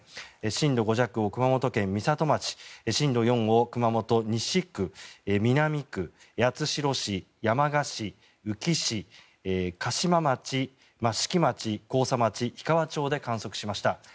震度５弱を熊本県美里町震度４を熊本市西区南区、八代市、山鹿市宇城市、嘉島町、益城町、甲佐町氷川町で観測しました。